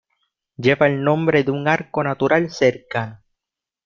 Lleva el nombre de un arco natural cercano.